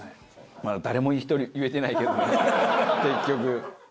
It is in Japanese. まだ誰一人言えてないけどね結局。